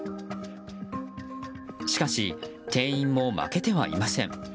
しかし、店員も負けてはいません。